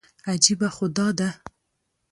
عجیبه خو دا ده.